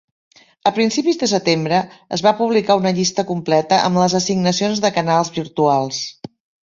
A principis de setembre, es va publicar una llista completa amb les assignacions de canals virtuals.